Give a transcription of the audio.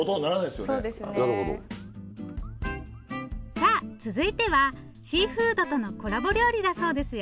さあ続いてはシーフードとのコラボ料理だそうですよ。